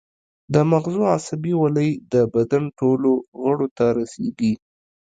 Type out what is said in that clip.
د مغزو عصبي ولۍ د بدن ټولو غړو ته رسیږي